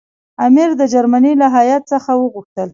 امیر د جرمني له هیات څخه وغوښتل.